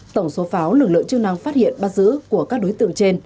tổng số pháo lực lượng chức năng phát hiện bắt giữ của các đối tượng trên